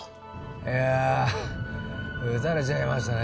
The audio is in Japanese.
いや撃たれちゃいましたね。